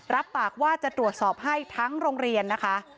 รับปากว่าจะตรวจสอบให้ทั้งโรงเรียนนะคะ